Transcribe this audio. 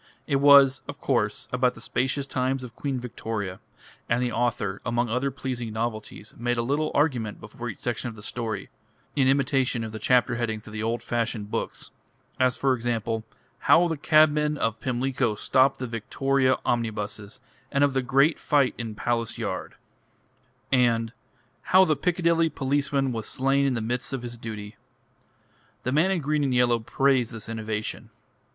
It was, of course, about the spacious times of Queen Victoria; and the author, among other pleasing novelties, made a little argument before each section of the story, in imitation of the chapter headings of the old fashioned books: as for example, "How the Cabmen of Pimlico stopped the Victoria Omnibuses, and of the Great Fight in Palace Yard," and "How the Piccadilly Policeman was slain in the midst of his Duty." The man in green and yellow praised this innovation.